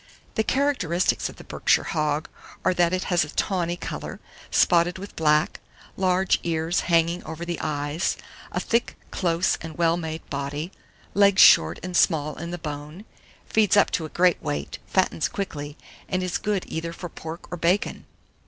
The characteristics of the Berkshire hog are that it has a tawny colour, spotted with black, large ears hanging over the eyes, a thick, close, and well made body, legs short and small in the bone; feeds up to a great weight, fattens quickly, and is good either for pork or bacon.